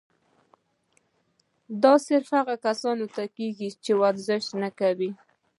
دا صرف هغه کسانو ته کيږي چې ورزش نۀ کوي